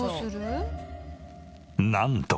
なんと。